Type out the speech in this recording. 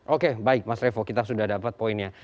oke baik mas revo kita sudah dapat poinnya